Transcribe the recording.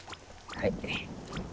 はい。